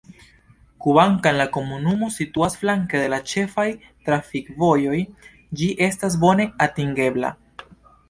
Kvankam la komunumo situas flanke de la ĉefaj trafikvojoj ĝi estas bone atingebla.